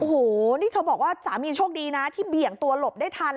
โอ้โหนี่เธอบอกว่าสามีโชคดีนะที่เบี่ยงตัวหลบได้ทัน